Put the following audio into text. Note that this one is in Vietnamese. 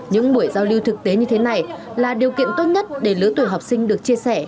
những buổi giao lưu thực tế như thế này là điều kiện tốt nhất để lứa tuổi học sinh được chia sẻ